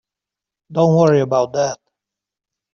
Don't worry about that.